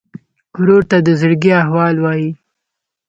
ورور ته د زړګي احوال وایې.